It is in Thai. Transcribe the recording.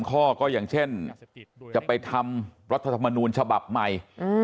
ข้อก็อย่างเช่นจะไปทำรัฐธรรมนูญฉบับใหม่